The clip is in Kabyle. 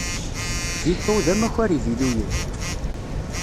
Vito d amakar iviluyen.